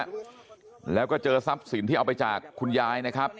อยู่ถนนนะฮะแล้วก็เจอทรัพย์สินที่เอาไปจากคุณยายนะครับ